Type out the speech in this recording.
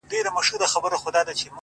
• شعرونه نور ورته هيڅ مه ليكه،